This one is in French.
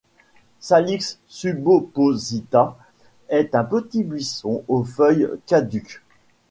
Salix subopposita est un petit buisson aux feuilles caduques.